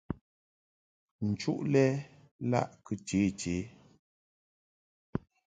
Nchuʼ lɛ laʼ kɨ che che.